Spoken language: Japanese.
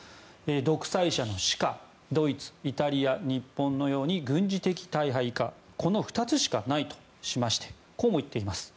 独裁者の死かドイツ、イタリア、日本のように軍事的大敗かこの２つしかないとしましてこうも言っています。